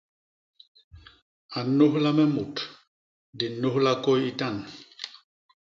A nnôlha me mut; di nnôlha kôy itan.